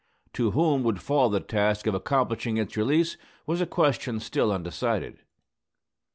To whom would fall the task of accomplishing its release, was a question still undecided.